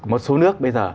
một số nước bây giờ